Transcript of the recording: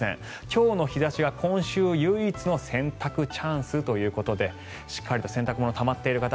今日の日差しが今週唯一の洗濯チャンスということでしっかりと洗濯物がたまっている方。